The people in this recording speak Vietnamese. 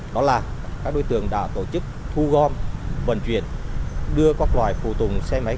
đó là các đối tượng đã tổ chức thu gom vận chuyển đưa các loài phụ tùng xe máy